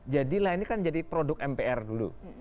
jadilah ini kan jadi produk mpr dulu